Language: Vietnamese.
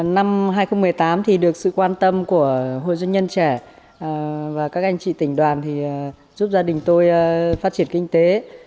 năm hai nghìn một mươi tám thì được sự quan tâm của hội doanh nhân trẻ và các anh chị tỉnh đoàn giúp gia đình tôi phát triển kinh tế